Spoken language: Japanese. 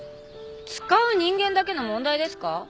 使う人間だけの問題ですか？